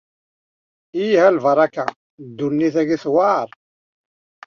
Ih a lbaraka, ddunnit-agi tewεeṛ!